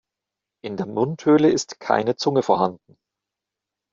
In der Mundhöhle ist keine Zunge vorhanden.